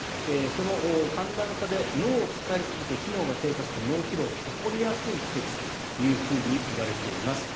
その寒暖差で脳を使いすぎて機能が低下する脳疲労が起こりやすい季節といわれています。